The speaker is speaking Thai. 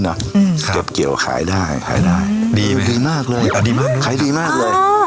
ตั้งใจปลูกแล้วจับไม่ขึ้น